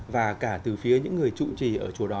và cả từ phía những người trụ trì ở chùa đó